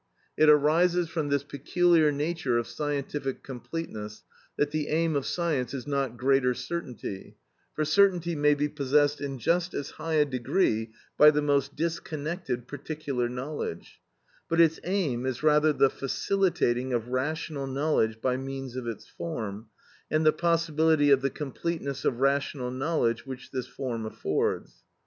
It arises from this peculiar nature of scientific completeness, that the aim of science is not greater certainty—for certainty may be possessed in just as high a degree by the most disconnected particular knowledge—but its aim is rather the facilitating of rational knowledge by means of its form, and the possibility of the completeness of rational knowledge which this form affords.